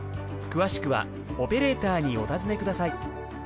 詳しくはオペレーターにお尋ねください。